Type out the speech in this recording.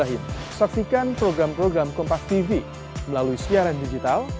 untuk penggila garuda ultra stadion di qatar